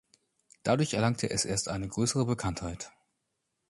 Dadurch erlangte es erst eine größere Bekanntheit.